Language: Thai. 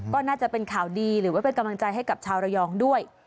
ก็น่าจะเป็นข่าวดีหรือว่าเป็นกำลังใจให้กับชาวระยองด้วย